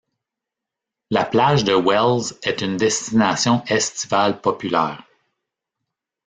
La plage de Wells est une destination estivale populaire.